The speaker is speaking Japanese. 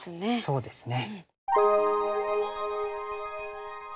そうですね。